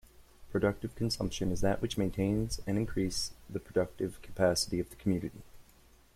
Productive consumption is that which maintains and increase the productive capacity of the community.